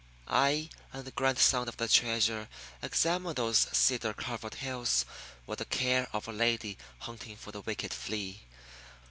I and the grandson of the treasure examined those cedar covered hills with the care of a lady hunting for the wicked flea.